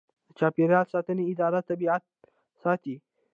د چاپیریال ساتنې اداره طبیعت ساتي